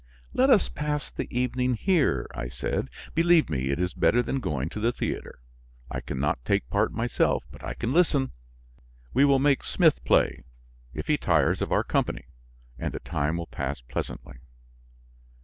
"Let us pass the evening here," I said; "believe me it is better than going to the theater; I can not take part myself, but I can listen. We will make Smith play, if he tires of our company, and the time will pass pleasantly."